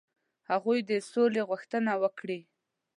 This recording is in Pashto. هغوی د سولي غوښتنه وکړي.